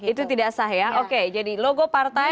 itu tidak sah ya oke jadi logo partai